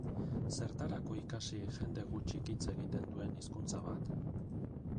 Zertarako ikasi jende gutxik hitz egiten duen hizkuntza bat?